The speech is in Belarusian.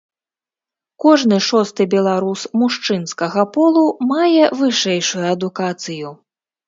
Кожны шосты беларус мужчынскага полу мае вышэйшую адукацыю.